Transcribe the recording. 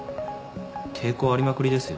抵抗ありまくりですよ。